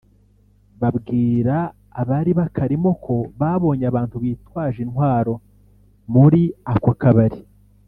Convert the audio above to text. babwira abari bakarimo ko babonye abantu bitwaje intwaro muri ako kabari